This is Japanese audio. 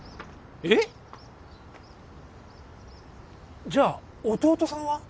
えっ？じゃあ弟さんは？